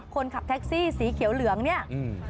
คนขับแท็กซี่สีเขียวเหลืองเนี่ยอืม